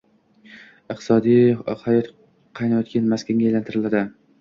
iqtisodiy hayot qaynagan maskanga aylantiradi.